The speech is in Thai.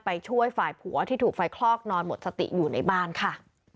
ช่วยฝ่ายผัวที่ถูกไฟคลอกนอนหมดสติอยู่ในบ้านค่ะ